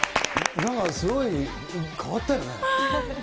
皆さん、すごい変わったよね。